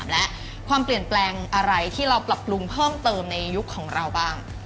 และความเปลี่ยนแปลงอะไรที่เราปรับปรุงเพิ่มเติมในยุคของเราบ้าง